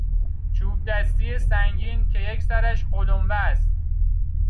چوبدستی سنگین که یک سرش قلمبه است